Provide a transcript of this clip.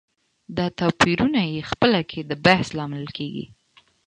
دا توپيرونه یې خپله کې د بحث لامل کېږي.